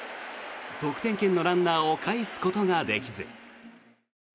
得点圏のランナーをかえすことができず。